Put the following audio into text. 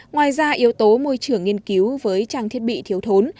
ngoài ra yếu tố môi trường nghiên cứu với trang thiết bị thiếu thốn